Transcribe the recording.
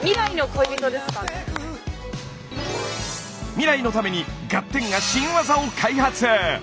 未来のために「ガッテン！」が新ワザを開発！